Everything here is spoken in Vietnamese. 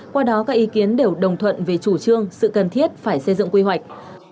qua đó các ý kiến đều đồng thuận về chủ trương sự cần thiết phải xây dựng quy hoạch